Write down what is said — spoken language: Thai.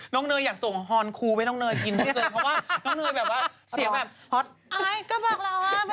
น้องเนยอยากส่งหอนคูไปน้องเนยกินพี่เป็นเพราะว่า